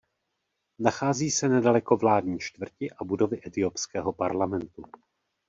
Nachází se nedaleko vládní čtvrti a budovy etiopského parlamentu.